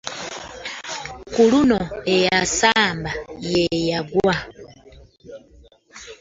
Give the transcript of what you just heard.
Ku luno eyasamba ye yagwa.